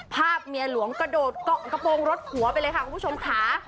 ภาพเมียหลวงกระโดดเกาะกระโปรงรถหัวไปเลยค่ะคุณผู้ชมค่ะ